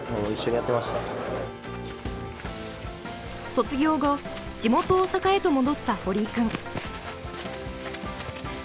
卒業後地元大阪へと戻った堀井君。